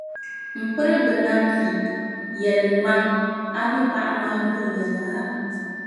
M piriba Nanfi, yɛlimi ma, a mi paɣa maa viɛnyɛla?